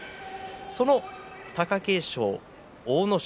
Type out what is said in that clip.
その貴景勝、阿武咲